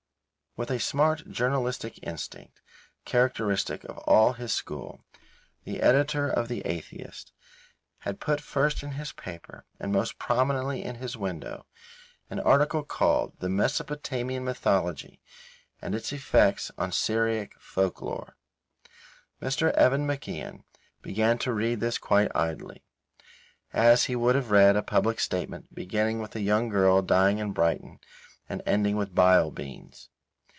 With a smart journalistic instinct characteristic of all his school, the editor of The Atheist had put first in his paper and most prominently in his window an article called "The Mesopotamian Mythology and its Effects on Syriac Folk Lore." Mr. Evan MacIan began to read this quite idly, as he would have read a public statement beginning with a young girl dying in Brighton and ending with Bile Beans.